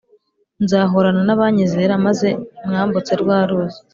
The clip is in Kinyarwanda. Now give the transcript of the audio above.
Nzahorana nabanyizera maze mbambutse rwa ruzi